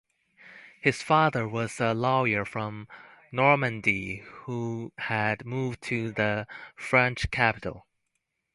His father was a lawyer from Normandy who had moved to the French capital.